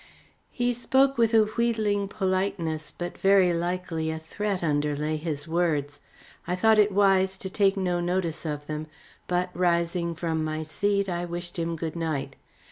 He spoke with a wheedling politeness, but very likely a threat underlay his words. I thought it wise to take no notice of them, but, rising from my seat, I wished him good night.